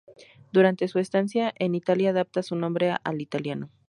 Durante su estancia en Italia adapta su nombre al italiano.